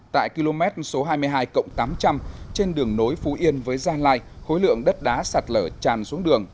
tại km số hai mươi hai tám trăm linh trên đường nối phú yên với gia lai khối lượng đất đá sạt lở tràn xuống đường